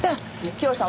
キヨさん